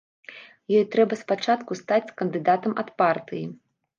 Ёй трэба спачатку стаць кандыдатам ад партыі.